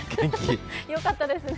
よかったですね。